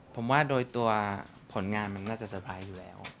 ผมว่าโดยตัวผลงานมันน่าจะเตอร์ไพรส์อยู่แล้ว